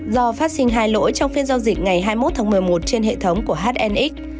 do phát sinh hai lỗi trong phiên giao dịch ngày hai mươi một tháng một mươi một trên hệ thống của hnx